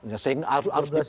tiga belas juli pak